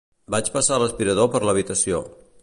Vaig passar l'aspirador per l'habitació.